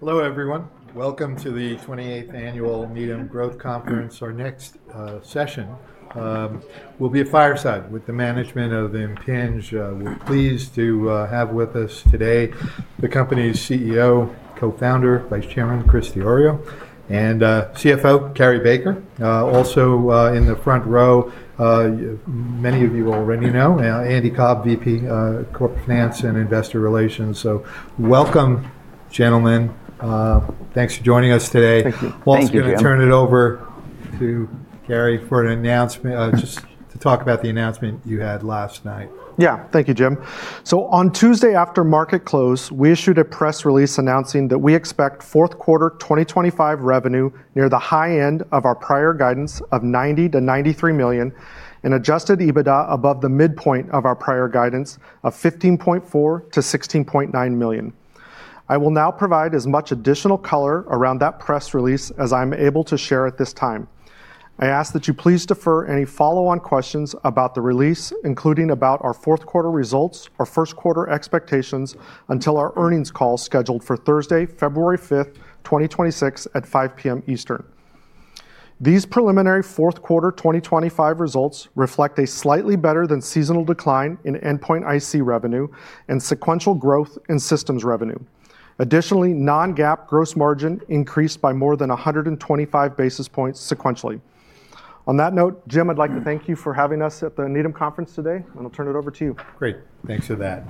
Hello, everyone. Welcome to the 28th Annual Needham Growth Conference. Our next session will be a fireside with the management of Impinj. We're pleased to have with us today the company's CEO, Co-Founder, Vice Chairman Chris Diorio, and CFO Cary Baker. Also in the front row, many of you already know, Andy Cobb, VP, Corporate Finance and Investor Relations. So welcome, gentlemen. Thanks for joining us today. Thank you. I'm going to turn it over to Cary for an announcement, just to talk about the announcement you had last night. Yeah, thank you, Jim. So on Tuesday, after market close, we issued a press release announcing that we expect fourth quarter 2025 revenue near the high end of our prior guidance of $90 million-$93 million and Adjusted EBITDA above the midpoint of our prior guidance of $15.4 million -$16.9 million. I will now provide as much additional color around that press release as I'm able to share at this time. I ask that you please defer any follow-on questions about the release, including about our fourth quarter results or first quarter expectations, until our earnings call scheduled for Thursday, February 5th, 2026 at 5:00 P.M. Eastern. These preliminary fourth quarter 2025 results reflect a slightly better than seasonal decline in Endpoint IC revenue and sequential growth in systems revenue. Additionally, non-GAAP gross margin increased by more than 125 basis points sequentially. On that note, Jim, I'd like to thank you for having us at the Needham Conference today, and I'll turn it over to you. Great. Thanks for that.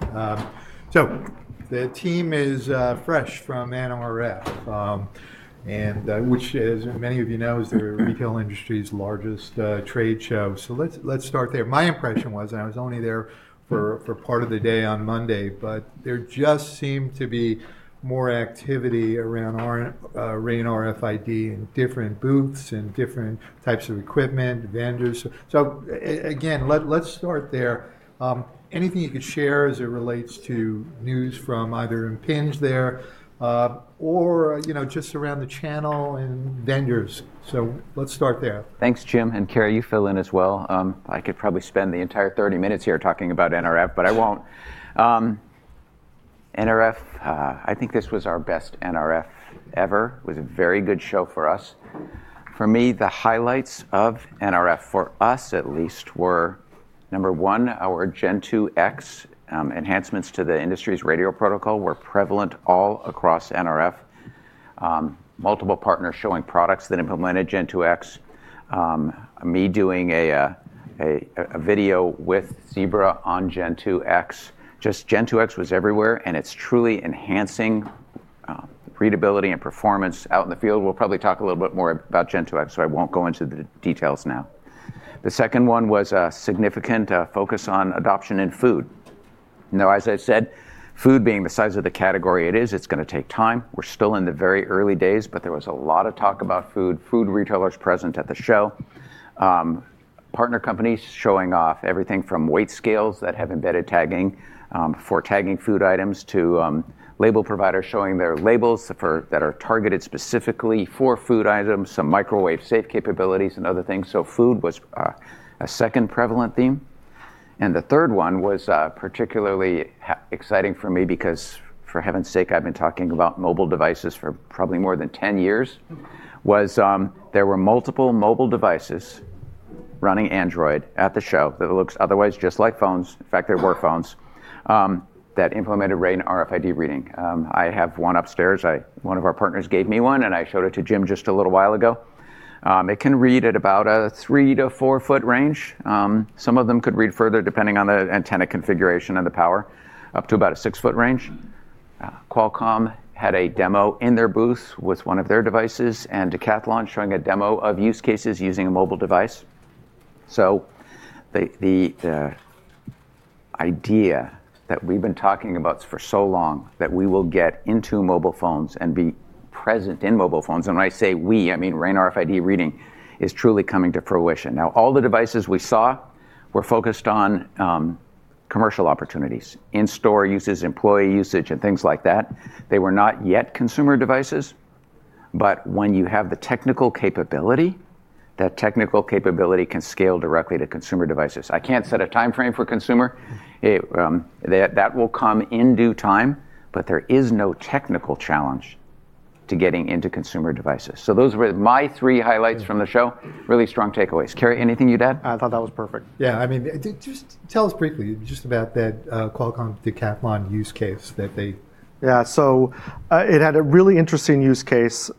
So the team is fresh from NRF, which, as many of you know, is the retail industry's largest trade show. So let's start there. My impression was, and I was only there for part of the day on Monday, but there just seemed to be more activity around our RAIN RFID in different booths and different types of equipment, vendors. So again, let's start there. Anything you could share as it relates to news from either Impinj there or just around the channel and vendors? So let's start there. Thanks, Jim. And Cary, you fill in as well. I could probably spend the entire 30 minutes here talking about NRF, but I won't. NRF, I think this was our best NRF ever. It was a very good show for us. For me, the highlights of NRF, for us at least, were number one, our Gen2X enhancements to the industry's radio protocol were prevalent all across NRF. Multiple partners showing products that implemented Gen2X. Me doing a video with Zebra on Gen2X. Just Gen2X was everywhere, and it's truly enhancing readability and performance out in the field. We'll probably talk a little bit more about Gen2X, so I won't go into the details now. The second one was a significant focus on adoption in food. Now, as I said, food being the size of the category it is, it's going to take time. We're still in the very early days, but there was a lot of talk about food, food retailers present at the show, partner companies showing off everything from weight scales that have embedded tagging for tagging food items to label providers showing their labels that are targeted specifically for food items, some microwave safe capabilities, and other things. So food was a second prevalent theme. And the third one was particularly exciting for me because, for heaven's sake, I've been talking about mobile devices for probably more than 10 years, was there were multiple mobile devices running Android at the show that looks otherwise just like phones. In fact, they were phones that implemented RAIN RFID reading. I have one upstairs. One of our partners gave me one, and I showed it to Jim just a little while ago. It can read at about a three- to four-foot range. Some of them could read further depending on the antenna configuration and the power, up to about a six foot range. Qualcomm had a demo in their booth with one of their devices, and Decathlon showing a demo of use cases using a mobile device. The idea that we've been talking about for so long, that we will get into mobile phones and be present in mobile phones. When I say we, I mean RAIN RFID reading is truly coming to fruition. All the devices we saw were focused on commercial opportunities, in-store uses, employee usage, and things like that. They were not yet consumer devices, but when you have the technical capability, that technical capability can scale directly to consumer devices. I can't set a time frame for consumer. That will come in due time, but there is no technical challenge to getting into consumer devices. So those were my three highlights from the show. Really strong takeaways. Cary, anything you'd add? I thought that was perfect. Yeah. I mean, just tell us briefly just about that Qualcomm Decathlon use case that they. Yeah. So it had a really interesting use case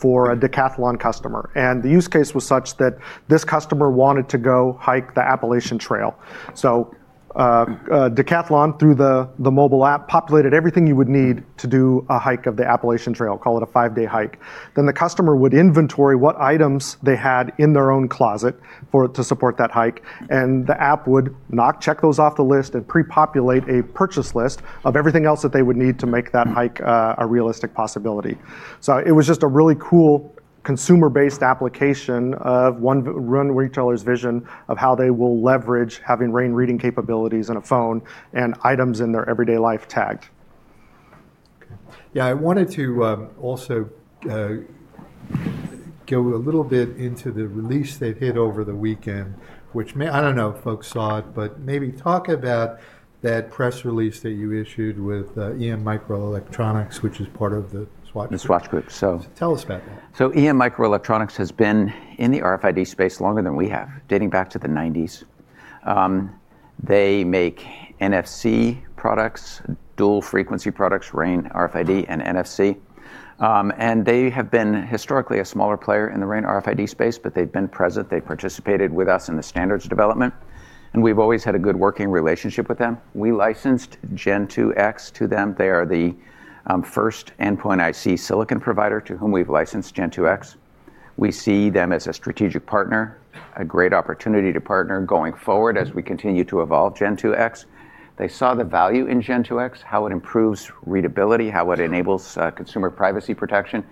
for a Decathlon customer. And the use case was such that this customer wanted to go hike the Appalachian Trail. So Decathlon, through the mobile app, populated everything you would need to do a hike of the Appalachian Trail, call it a five-day hike. Then the customer would inventory what items they had in their own closet to support that hike, and the app would not check those off the list and pre-populate a purchase list of everything else that they would need to make that hike a realistic possibility. So it was just a really cool consumer-based application of one retailer's vision of how they will leverage having RAIN reading capabilities in a phone and items in their everyday life tagged. Yeah. I wanted to also go a little bit into the release they did over the weekend, which I don't know if folks saw it, but maybe talk about that press release that you issued with EM Microelectronic, which is part of the Swatch Group. The Swatch Group. So tell us about that. EM Microelectronic has been in the RFID space longer than we have, dating back to the 1990s. They make NFC products, dual frequency products, RAIN RFID and NFC. They have been historically a smaller player in the RAIN RFID space, but they've been present. They participated with us in the standards development, and we've always had a good working relationship with them. We licensed Gen2X to them. They are the first endpoint IC silicon provider to whom we've licensed Gen2X. We see them as a strategic partner, a great opportunity to partner going forward as we continue to evolve Gen2X. They saw the value in Gen2X, how it improves readability, how it enables consumer privacy protection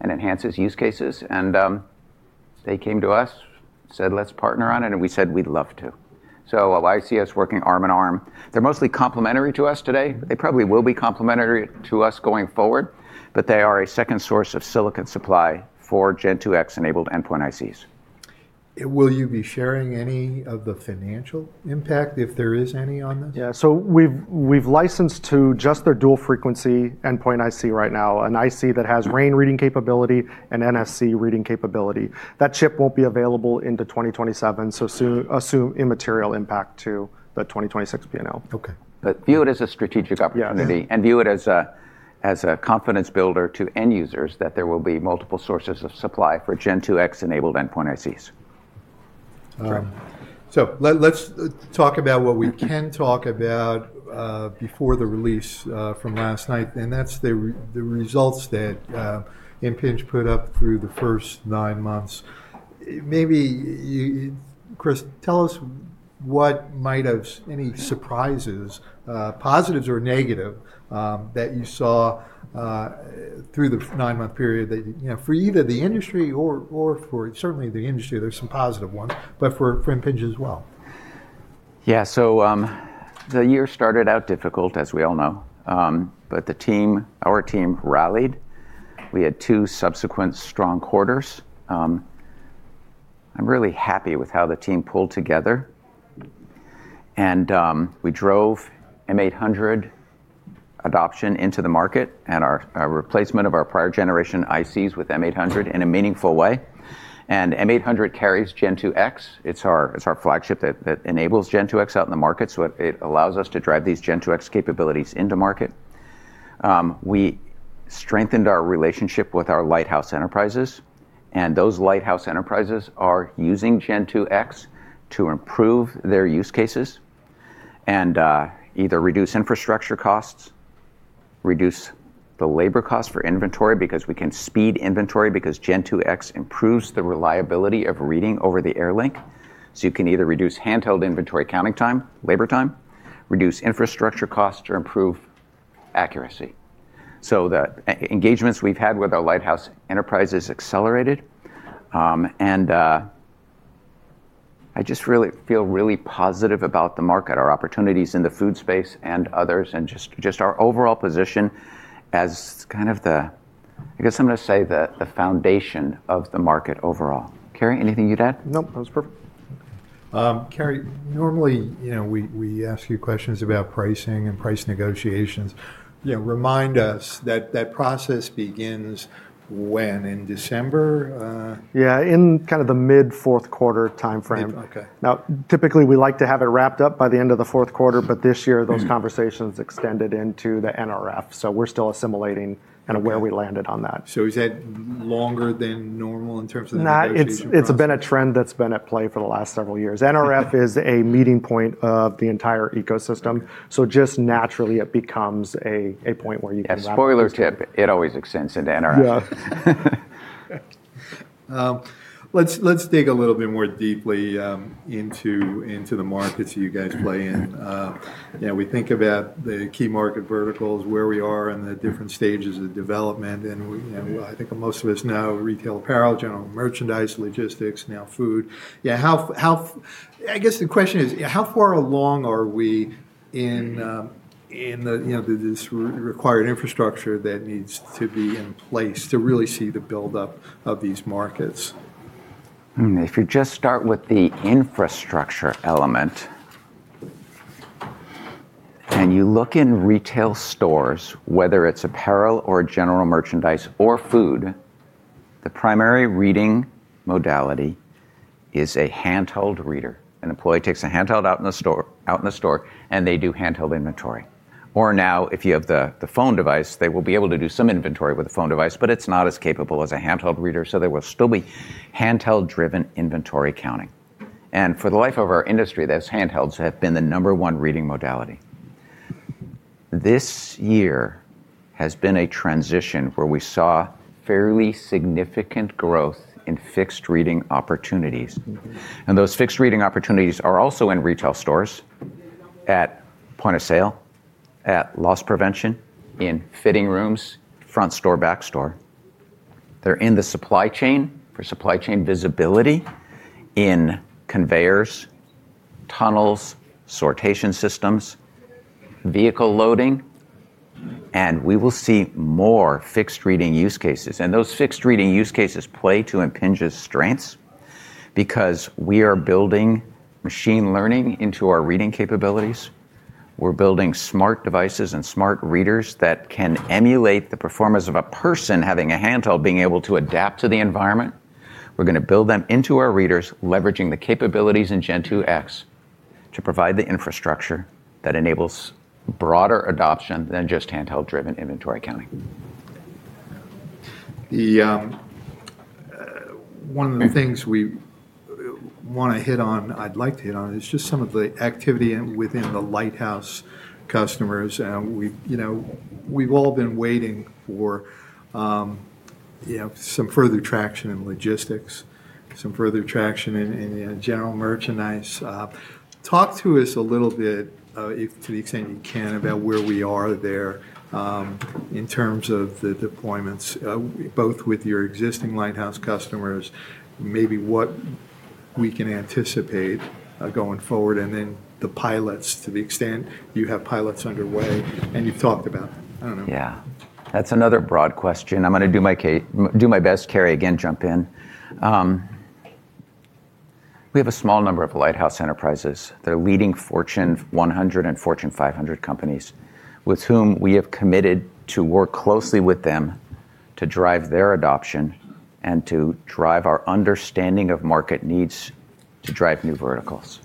and enhances use cases. They came to us, said, "Let's partner on it," and we said, "We'd love to." I see us working arm in arm. They're mostly complementary to us today. They probably will be complementary to us going forward, but they are a second source of silicon supply for Gen2X-enabled endpoint ICs. Will you be sharing any of the financial impact if there is any on this? Yeah, so we've licensed to just their dual frequency endpoint IC right now, an IC that has RAIN reading capability and NFC reading capability. That chip won't be available into 2027, so assume immaterial impact to the 2026 P&L. Okay, but view it as a strategic opportunity and view it as a confidence builder to end users that there will be multiple sources of supply for Gen2X-enabled endpoint ICs. So let's talk about what we can talk about before the release from last night, and that's the results that Impinj put up through the first nine months. Maybe, Chris, tell us what might have any surprises, positives or negatives, that you saw through the nine-month period for either the industry or for certainly the industry. There's some positive ones, but for Impinj as well. Yeah. So the year started out difficult, as we all know, but the team, our team rallied. We had two subsequent strong quarters. I'm really happy with how the team pulled together, and we drove M800 adoption into the market and our replacement of our prior generation ICs with M800 in a meaningful way. And M800 carries Gen2X. It's our flagship that enables Gen2X out in the market, so it allows us to drive these Gen2X capabilities into market. We strengthened our relationship with our lighthouse enterprises, and those lighthouse enterprises are using Gen2X to improve their use cases and either reduce infrastructure costs, reduce the labor costs for inventory because we can speed inventory because Gen2X improves the reliability of reading over the air link, so you can either reduce handheld inventory counting time, labor time, reduce infrastructure costs, or improve accuracy. So the engagements we've had with our lighthouse enterprises accelerated, and I just really feel really positive about the market, our opportunities in the food space and others, and just our overall position as kind of the, I guess I'm going to say the foundation of the market overall. Cary, anything you'd add? Nope. That was perfect. Cary, normally we ask you questions about pricing and price negotiations. Remind us that that process begins when? In December? Yeah, in kind of the mid-fourth quarter time frame. Now, typically we like to have it wrapped up by the end of the fourth quarter, but this year those conversations extended into the NRF, so we're still assimilating kind of where we landed on that. So is that longer than normal in terms of the value? It's been a trend that's been at play for the last several years. NRF is a meeting point of the entire ecosystem, so just naturally it becomes a point where you can wrap. Spoiler tip, it always extends into NRF. Yeah. Let's dig a little bit more deeply into the markets that you guys play in. We think about the key market verticals, where we are in the different stages of development, and I think most of us know retail apparel, general merchandise, logistics, now food. Yeah. I guess the question is, how far along are we in this required infrastructure that needs to be in place to really see the buildup of these markets? If you just start with the infrastructure element and you look in retail stores, whether it's apparel or general merchandise or food, the primary reading modality is a handheld reader. An employee takes a handheld out in the store, and they do handheld inventory. Or now, if you have the phone device, they will be able to do some inventory with a phone device, but it's not as capable as a handheld reader, so there will still be handheld-driven inventory counting. And for the life of our industry, those handhelds have been the number one reading modality. This year has been a transition where we saw fairly significant growth in fixed reading opportunities. And those fixed reading opportunities are also in retail stores at point of sale, at loss prevention, in fitting rooms, front store, back store. They're in the supply chain for supply chain visibility in conveyors, tunnels, sortation systems, vehicle loading, and we will see more fixed reading use cases, and those fixed reading use cases play to Impinj's strengths because we are building machine learning into our reading capabilities. We're building smart devices and smart readers that can emulate the performance of a person having a handheld, being able to adapt to the environment. We're going to build them into our readers, leveraging the capabilities in Gen2X to provide the infrastructure that enables broader adoption than just handheld-driven inventory counting. One of the things we want to hit on, I'd like to hit on, is just some of the activity within the lighthouse customers. We've all been waiting for some further traction in logistics, some further traction in general merchandise. Talk to us a little bit, to the extent you can, about where we are there in terms of the deployments, both with your existing lighthouse customers, maybe what we can anticipate going forward, and then the pilots, to the extent you have pilots underway, and you've talked about them. I don't know. Yeah. That's another broad question. I'm going to do my best. Cary, again, jump in. We have a small number of lighthouse enterprises, their leading Fortune 100 and Fortune 500 companies, with whom we have committed to work closely with them to drive their adoption and to drive our understanding of market needs to drive new verticals.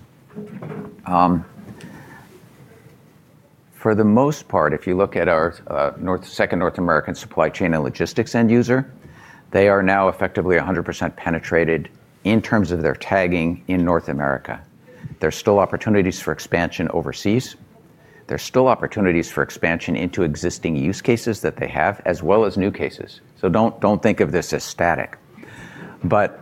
For the most part, if you look at our second North American supply chain and logistics end user, they are now effectively 100% penetrated in terms of their tagging in North America. There's still opportunities for expansion overseas. There's still opportunities for expansion into existing use cases that they have, as well as new cases. So don't think of this as static. But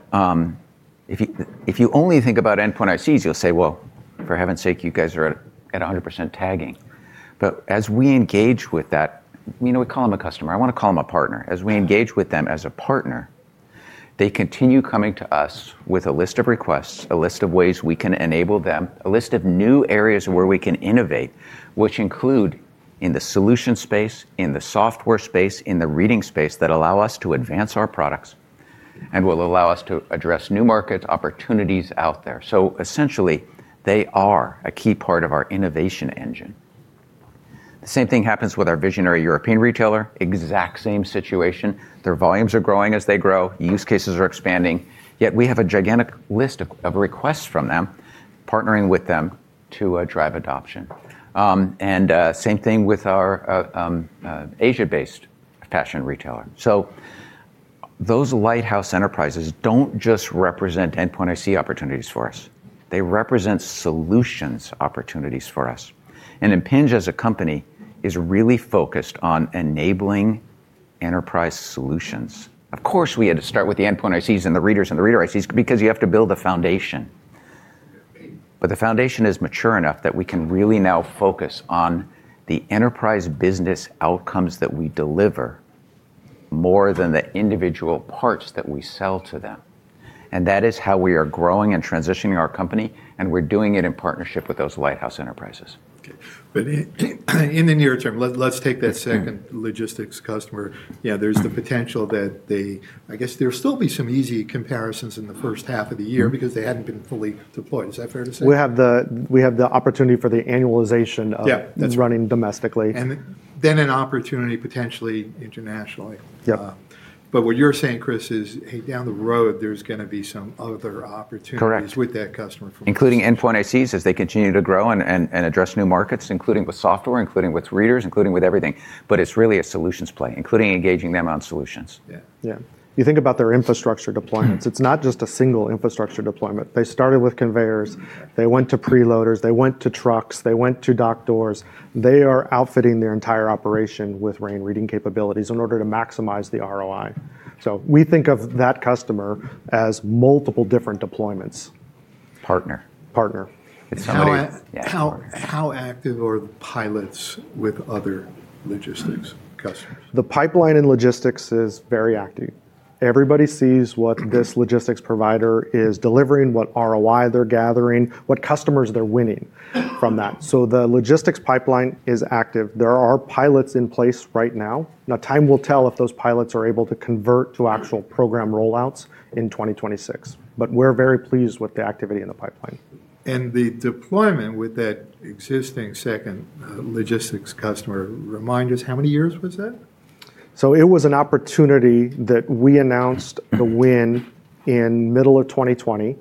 if you only think about endpoint ICs, you'll say, "Well, for heaven's sake, you guys are at 100% tagging." But as we engage with that, we call them a customer. I want to call them a partner. As we engage with them as a partner, they continue coming to us with a list of requests, a list of ways we can enable them, a list of new areas where we can innovate, which include in the solution space, in the software space, in the reading space that allow us to advance our products and will allow us to address new market opportunities out there. So essentially, they are a key part of our innovation engine. The same thing happens with our visionary European retailer. Exact same situation. Their volumes are growing as they grow. Use cases are expanding. Yet we have a gigantic list of requests from them, partnering with them to drive adoption. And same thing with our Asia-based fashion retailer. So those lighthouse enterprises don't just represent endpoint IC opportunities for us. They represent solutions opportunities for us. Impinj, as a company, is really focused on enabling enterprise solutions. Of course, we had to start with the endpoint ICs and the readers and the reader ICs because you have to build a foundation. The foundation is mature enough that we can really now focus on the enterprise business outcomes that we deliver more than the individual parts that we sell to them. That is how we are growing and transitioning our company, and we're doing it in partnership with those lighthouse enterprises. Okay. But in the near term, let's take that second logistics customer. Yeah, there's the potential that they, I guess there'll still be some easy comparisons in the first half of the year because they hadn't been fully deployed. Is that fair to say? We have the opportunity for the annualization of running domestically. And then an opportunity potentially internationally. But what you're saying, Chris, is down the road, there's going to be some other opportunities with that customer for. Including endpoint ICs as they continue to grow and address new markets, including with software, including with readers, including with everything. But it's really a solutions play, including engaging them on solutions. Yeah. You think about their infrastructure deployments. It's not just a single infrastructure deployment. They started with conveyors. They went to preloaders. They went to trucks. They went to dock doors. They are outfitting their entire operation with RAIN reading capabilities in order to maximize the ROI. So we think of that customer as multiple different deployments. Partner. Partner. How active are the pilots with other logistics customers? The pipeline in logistics is very active. Everybody sees what this logistics provider is delivering, what ROI they're gathering, what customers they're winning from that. So the logistics pipeline is active. There are pilots in place right now. Now, time will tell if those pilots are able to convert to actual program rollouts in 2026, but we're very pleased with the activity in the pipeline. The deployment with that existing second logistics customer, remind us, how many years was that? It was an opportunity that we announced the win in the middle of 2020.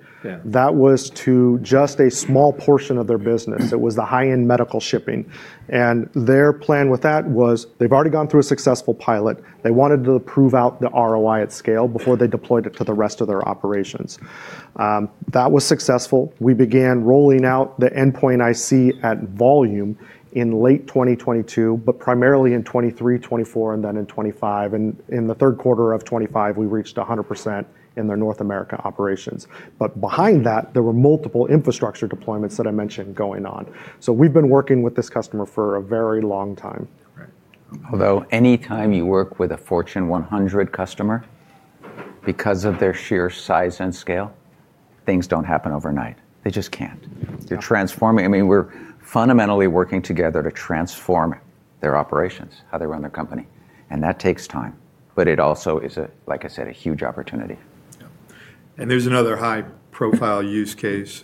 That was to just a small portion of their business. It was the high-end medical shipping. And their plan with that was they've already gone through a successful pilot. They wanted to prove out the ROI at scale before they deployed it to the rest of their operations. That was successful. We began rolling out the endpoint IC at volume in late 2022, but primarily in 2023, 2024, and then in 2025. And in the third quarter of 2025, we reached 100% in their North America operations. But behind that, there were multiple infrastructure deployments that I mentioned going on. So we've been working with this customer for a very long time. Although anytime you work with a Fortune 100 customer, because of their sheer size and scale, things don't happen overnight. They just can't. I mean, we're fundamentally working together to transform their operations, how they run their company. And that takes time, but it also is, like I said, a huge opportunity. And there's another high-profile use case.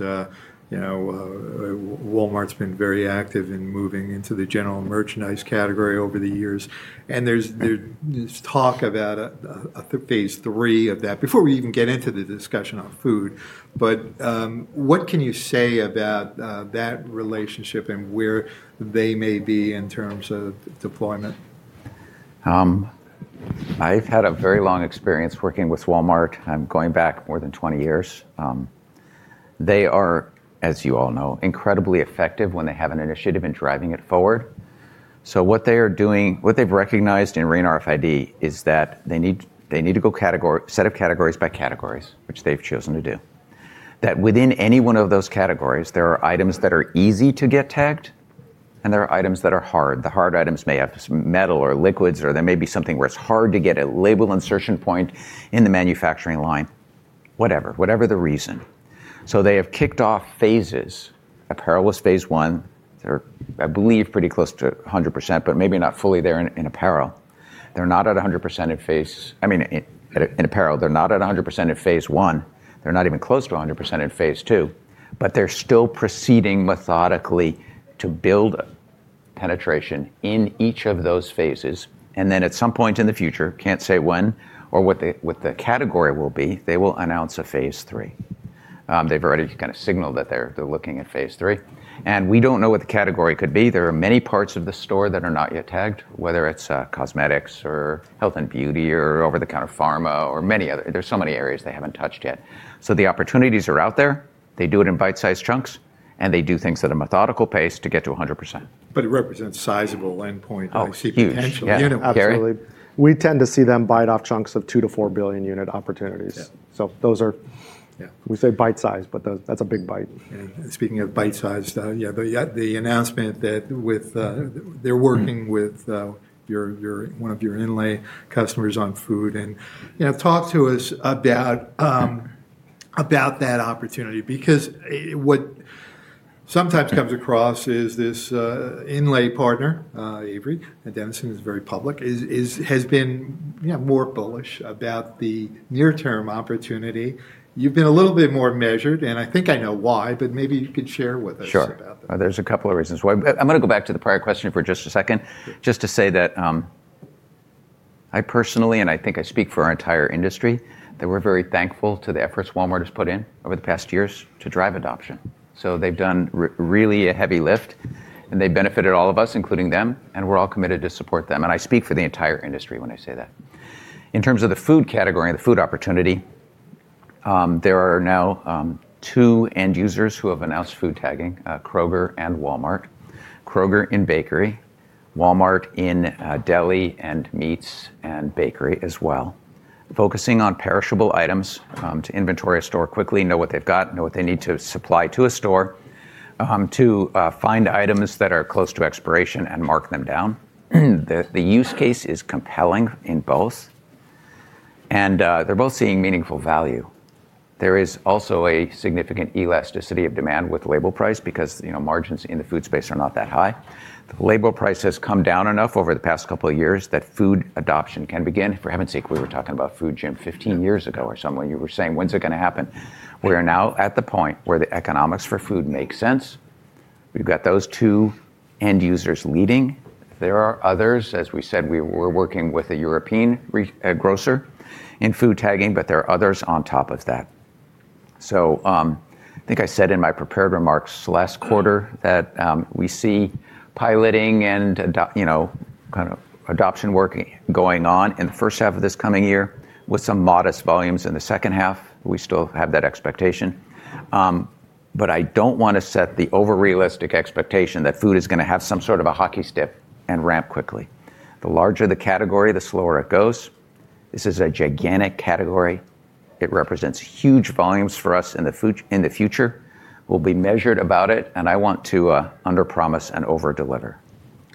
Walmart's been very active in moving into the general merchandise category over the years. And there's talk about a phase three of that before we even get into the discussion on food. But what can you say about that relationship and where they may be in terms of deployment? I've had a very long experience working with Walmart. I'm going back more than 20 years. They are, as you all know, incredibly effective when they have an initiative in driving it forward, so what they've recognized in RAIN RFID is that they need to go set up categories by categories, which they've chosen to do. That within any one of those categories, there are items that are easy to get tagged, and there are items that are hard. The hard items may have metal or liquids, or there may be something where it's hard to get a label insertion point in the manufacturing line, whatever, whatever the reason, so they have kicked off phases. Apparel was phase one. They're, I believe, pretty close to 100%, but maybe not fully there in apparel. They're not at 100% in phase. I mean, in apparel, they're not at 100% in Phase I. They're not even close to 100% in Phase II, but they're still proceeding methodically to build penetration in each of those phases. And then at some point in the future, can't say when or what the category will be, they will announce a Phase III. They've already kind of signaled that they're looking at Phase III. And we don't know what the category could be. There are many parts of the store that are not yet tagged, whether it's cosmetics or health and beauty or over-the-counter pharma or many others. There's so many areas they haven't touched yet. So the opportunities are out there. They do it in bite-sized chunks, and they do things at a methodical pace to get to 100%. But it represents sizable endpoint IC potential. Absolutely. We tend to see them bite off chunks of two to four billion unit opportunities. So those are, we say bite-sized, but that's a big bite. Speaking of bite-sized, yeah, the announcement that they're working with one of your inlay customers on food, and talk to us about that opportunity because what sometimes comes across is this inlay partner, Avery Dennison, is very public, has been more bullish about the near-term opportunity. You've been a little bit more measured, and I think I know why, but maybe you could share with us about that. There's a couple of reasons why. I'm going to go back to the prior question for just a second, just to say that I personally, and I think I speak for our entire industry, that we're very thankful to the efforts Walmart has put in over the past years to drive adoption. So they've done really a heavy lift, and they've benefited all of us, including them, and we're all committed to support them. And I speak for the entire industry when I say that. In terms of the food category, the food opportunity, there are now two end users who have announced food tagging, Kroger and Walmart. Kroger in bakery, Walmart in deli and meats and bakery as well. Focusing on perishable items to inventory a store quickly, know what they've got, know what they need to supply to a store, to find items that are close to expiration and mark them down. The use case is compelling in both, and they're both seeing meaningful value. There is also a significant elasticity of demand with label price because margins in the food space are not that high. The label price has come down enough over the past couple of years that food adoption can begin. For heaven's sake, we were talking about food, Jim, 15 years ago or so when you were saying, "When's it going to happen?" We are now at the point where the economics for food make sense. We've got those two end users leading. There are others, as we said, we were working with a European grocer in food tagging, but there are others on top of that. So I think I said in my prepared remarks last quarter that we see piloting and kind of adoption work going on in the first half of this coming year with some modest volumes in the second half. We still have that expectation. But I don't want to set the unrealistic expectation that food is going to have some sort of a hockey stick and ramp quickly. The larger the category, the slower it goes. This is a gigantic category. It represents huge volumes for us in the future. We'll be measured about it, and I want to underpromise and overdeliver.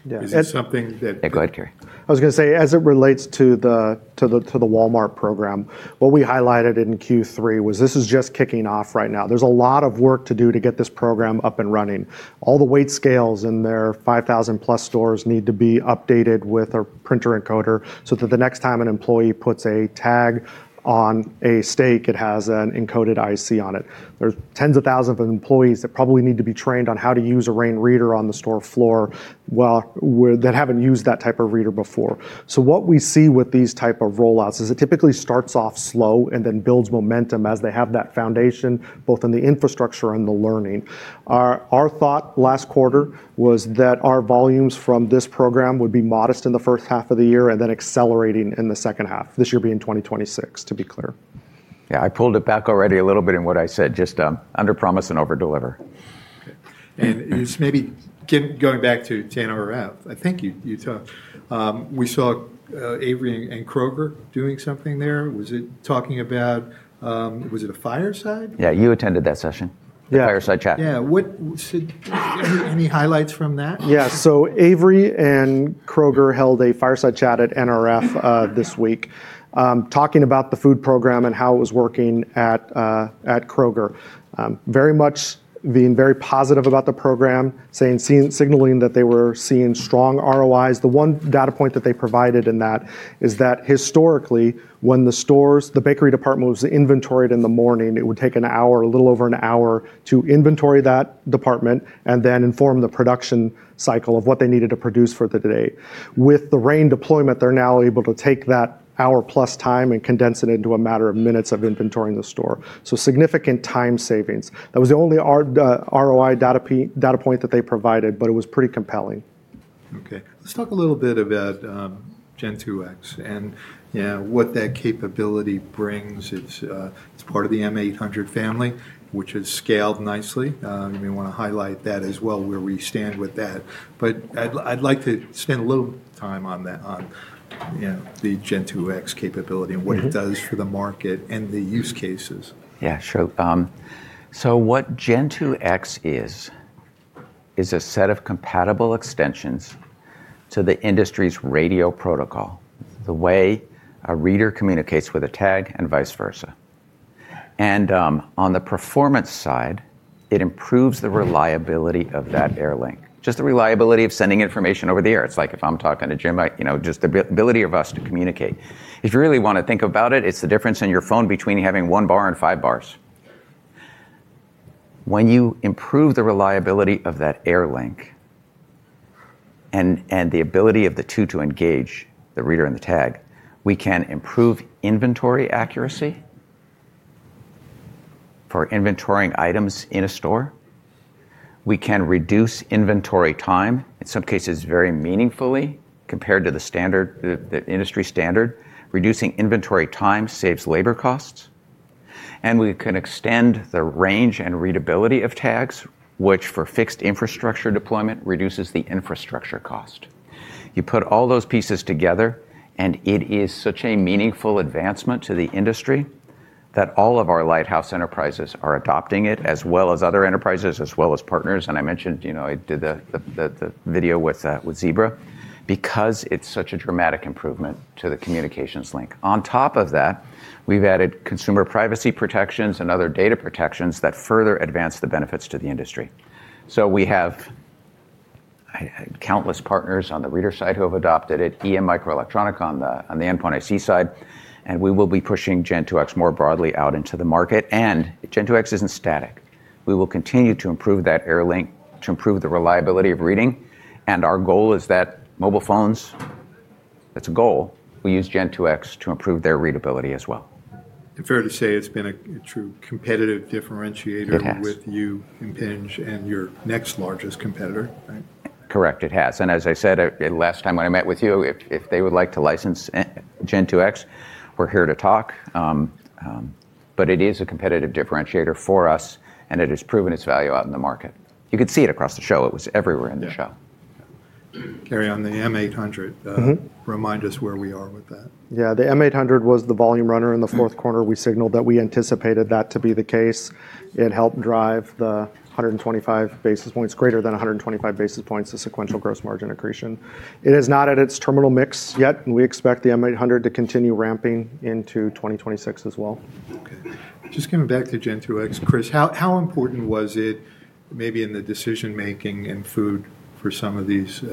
Is it something that? Yeah, go ahead, Cary. I was going to say, as it relates to the Walmart program, what we highlighted in Q3 was this is just kicking off right now. There's a lot of work to do to get this program up and running. All the weight scales in their 5,000-plus stores need to be updated with a printer encoder so that the next time an employee puts a tag on a steak, it has an encoded IC on it. There's tens of thousands of employees that probably need to be trained on how to use a RAIN reader on the store floor that haven't used that type of reader before. So what we see with these types of rollouts is it typically starts off slow and then builds momentum as they have that foundation, both in the infrastructure and the learning. Our thought last quarter was that our volumes from this program would be modest in the first half of the year and then accelerating in the second half, this year being 2026, to be clear. Yeah, I pulled it back already a little bit in what I said, just underpromise and overdeliver. Maybe going back to Tanner or Ralph, I think you talked, we saw Avery and Kroger doing something there. Was it talking about, was it a fireside? Yeah, you attended that session, the Fireside Chat. Yeah. Any highlights from that? Yeah. So Avery and Kroger held a Fireside Chat at NRF this week, talking about the food program and how it was working at Kroger. Very much being very positive about the program, signaling that they were seeing strong ROIs. The one data point that they provided in that is that historically, when the stores, the bakery department was inventoried in the morning, it would take an hour, a little over an hour to inventory that department and then inform the production cycle of what they needed to produce for the day. With the RAIN deployment, they're now able to take that hour-plus time and condense it into a matter of minutes of inventorying the store. So significant time savings. That was the only ROI data point that they provided, but it was pretty compelling. Okay. Let's talk a little bit about Gen2X and what that capability brings. It's part of the M800 family, which has scaled nicely. We want to highlight that as well where we stand with that. But I'd like to spend a little time on the Gen2X capability and what it does for the market and the use cases. Yeah, sure. So what Gen2X is, is a set of compatible extensions to the industry's radio protocol, the way a reader communicates with a tag and vice versa. And on the performance side, it improves the reliability of that air link, just the reliability of sending information over the air. It's like if I'm talking to Jim, just the ability of us to communicate. If you really want to think about it, it's the difference in your phone between having one bar and five bars. When you improve the reliability of that air link and the ability of the two to engage the reader and the tag, we can improve inventory accuracy for inventorying items in a store. We can reduce inventory time, in some cases very meaningfully compared to the industry standard. Reducing inventory time saves labor costs. And we can extend the range and readability of tags, which for fixed infrastructure deployment reduces the infrastructure cost. You put all those pieces together, and it is such a meaningful advancement to the industry that all of our lighthouse enterprises are adopting it, as well as other enterprises, as well as partners. And I mentioned I did the video with Zebra because it's such a dramatic improvement to the communications link. On top of that, we've added consumer privacy protections and other data protections that further advance the benefits to the industry. So we have countless partners on the reader side who have adopted it, EM Microelectronic on the endpoint IC side, and we will be pushing Gen2X more broadly out into the market. And Gen2X isn't static. We will continue to improve that air link to improve the reliability of reading. And our goal is that mobile phones, that's a goal, we use Gen2X to improve their readability as well. Fair to say it's been a true competitive differentiator with you, Impinj, and your next largest competitor, right? Correct, it has. And as I said last time when I met with you, if they would like to license Gen2X, we're here to talk. But it is a competitive differentiator for us, and it has proven its value out in the market. You could see it across the show. It was everywhere in the show. Cary, on the M800, remind us where we are with that? Yeah, the M800 was the volume runner in the fourth quarter. We signaled that we anticipated that to be the case. It helped drive the 125 basis points, greater than 125 basis points, the sequential gross margin accretion. It is not at its terminal mix yet, and we expect the M800 to continue ramping into 2026 as well. Just coming back to Gen2X, Chris, how important was it maybe in the decision-making in food for some of these,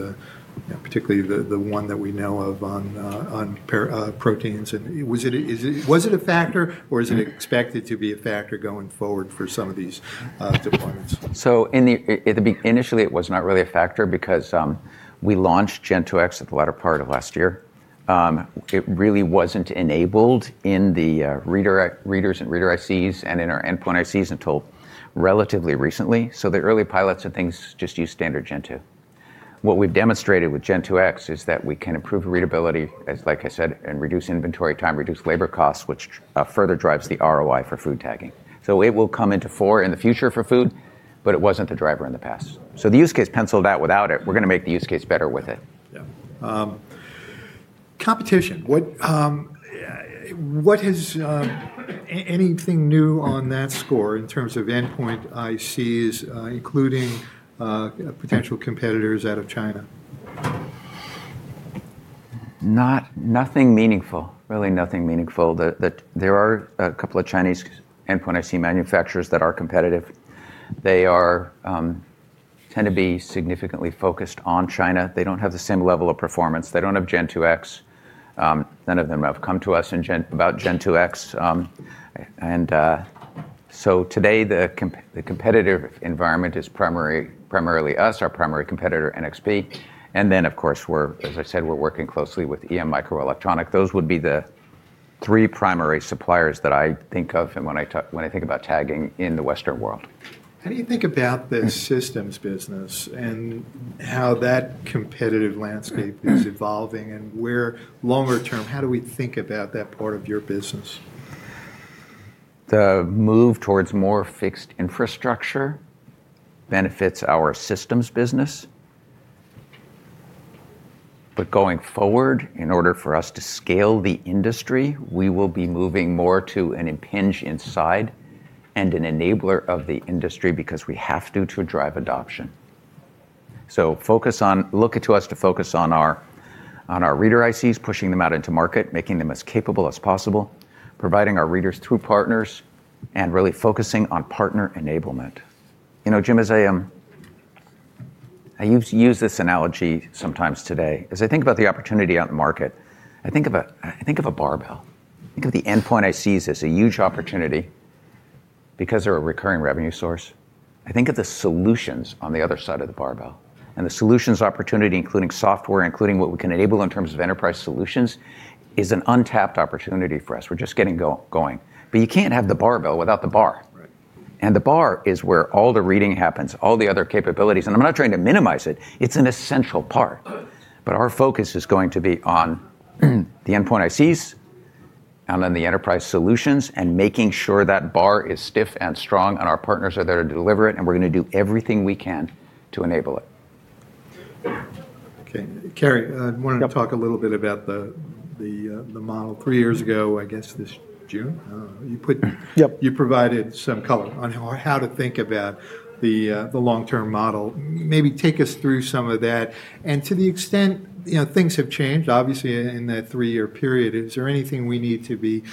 particularly the one that we know of on proteins? Was it a factor, or is it expected to be a factor going forward for some of these deployments? Initially, it was not really a factor because we launched Gen2X at the latter part of last year. It really wasn't enabled in the readers and reader ICs and in our endpoint ICs until relatively recently. So the early pilots and things just used standard Gen2. What we've demonstrated with Gen2X is that we can improve readability, like I said, and reduce inventory time, reduce labor costs, which further drives the ROI for food tagging. So it will come to the fore in the future for food, but it wasn't the driver in the past. So the use case penciled out without it. We're going to make the use case better with it. Yeah. Competition. What has anything new on that score in terms of endpoint ICs, including potential competitors out of China? Nothing meaningful, really nothing meaningful. There are a couple of Chinese Endpoint IC manufacturers that are competitive. They tend to be significantly focused on China. They don't have the same level of performance. They don't have Gen2X. None of them have come to us about Gen2X. And so today, the competitive environment is primarily us, our primary competitor, NXP. And then, of course, as I said, we're working closely with EM Microelectronic. Those would be the three primary suppliers that I think of when I think about tagging in the Western world. How do you think about the systems business and how that competitive landscape is evolving and where longer term, how do we think about that part of your business? The move towards more fixed infrastructure benefits our systems business, but going forward, in order for us to scale the industry, we will be moving more to an Impinj side and an enabler of the industry because we have to drive adoption, so look to us to focus on our reader ICs, pushing them out into market, making them as capable as possible, providing our readers through partners, and really focusing on partner enablement. You know, Jim, as I use this analogy sometimes today, as I think about the opportunity out in the market, I think of a barbell. I think of the endpoint ICs as a huge opportunity because they're a recurring revenue source. I think of the solutions on the other side of the barbell, and the solutions opportunity, including software, including what we can enable in terms of enterprise solutions, is an untapped opportunity for us. We're just getting going, but you can't have the barbell without the bar, and the bar is where all the reading happens, all the other capabilities, and I'm not trying to minimize it. It's an essential part, but our focus is going to be on the endpoint ICs and then the enterprise solutions and making sure that bar is stiff and strong and our partners are there to deliver it, and we're going to do everything we can to enable it. Okay. Cary, I want to talk a little bit about the model. Three years ago, I guess this June, you provided some color on how to think about the long-term model. Maybe take us through some of that, and to the extent things have changed, obviously, in that three-year period, is there anything we need to be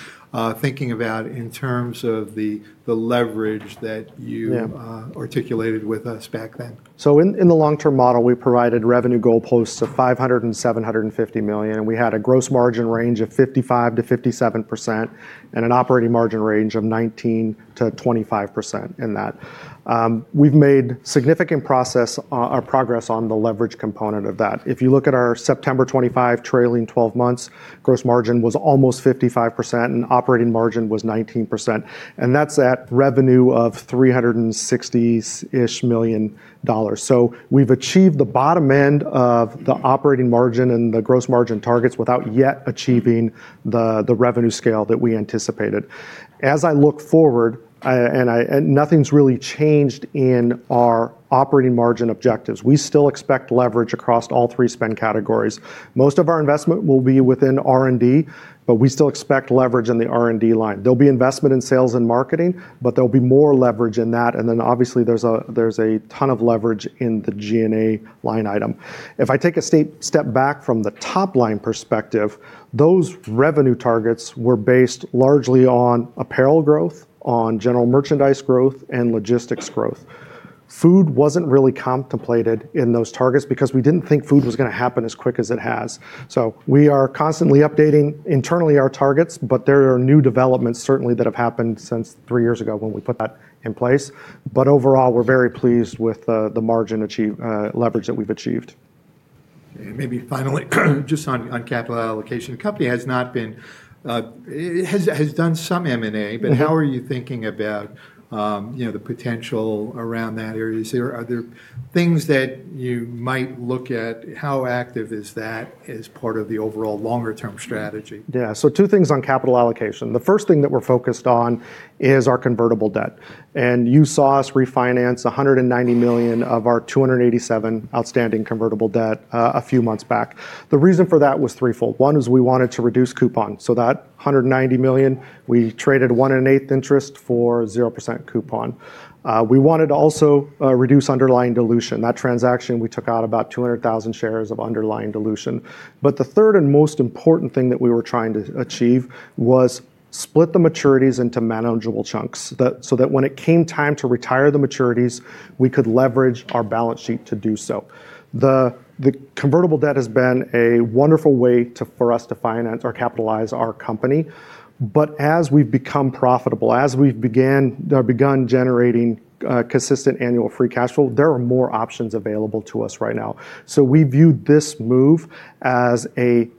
thinking about in terms of the leverage that you articulated with us back then? In the long-term model, we provided revenue goalposts of $500 million and $750 million. We had a gross margin range of 55%-57% and an operating margin range of 19%-25% in that. We've made significant progress on the leverage component of that. If you look at our September 25 trailing 12 months, gross margin was almost 55% and operating margin was 19%. And that's that revenue of $360-ish million. We've achieved the bottom end of the operating margin and the gross margin targets without yet achieving the revenue scale that we anticipated. As I look forward, and nothing's really changed in our operating margin objectives, we still expect leverage across all three spend categories. Most of our investment will be within R&D, but we still expect leverage in the R&D line. There'll be investment in sales and marketing, but there'll be more leverage in that. And then obviously, there's a ton of leverage in the G&A line item. If I take a step back from the top line perspective, those revenue targets were based largely on apparel growth, on general merchandise growth, and logistics growth. Food wasn't really contemplated in those targets because we didn't think food was going to happen as quick as it has. So we are constantly updating internally our targets, but there are new developments certainly that have happened since three years ago when we put that in place. But overall, we're very pleased with the margin leverage that we've achieved. Maybe finally, just on capital allocation, the company has done some M&A, but how are you thinking about the potential around that area? Are there things that you might look at? How active is that as part of the overall longer-term strategy? Yeah. So two things on capital allocation. The first thing that we're focused on is our convertible debt. And you saw us refinance $190 million of our $287 million outstanding convertible debt a few months back. The reason for that was threefold. One is we wanted to reduce coupon. So that $190 million, we traded one and an eighth interest for 0% coupon. We wanted to also reduce underlying dilution. That transaction, we took out about 200,000 shares of underlying dilution. But the third and most important thing that we were trying to achieve was split the maturities into manageable chunks so that when it came time to retire the maturities, we could leverage our balance sheet to do so. The convertible debt has been a wonderful way for us to finance or capitalize our company. But as we've become profitable, as we've begun generating consistent annual free cash flow, there are more options available to us right now. So we view this move as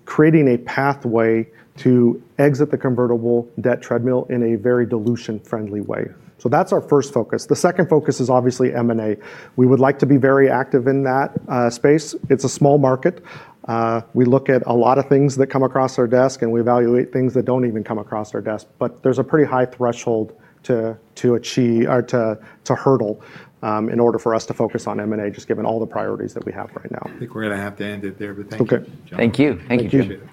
creating a pathway to exit the convertible debt treadmill in a very dilution-friendly way. So that's our first focus. The second focus is obviously M&A. We would like to be very active in that space. It's a small market. We look at a lot of things that come across our desk, and we evaluate things that don't even come across our desk. But there's a pretty high threshold to hurdle in order for us to focus on M&A, just given all the priorities that we have right now. I think we're going to have to end it there, but thank you. Thank you. Thank you.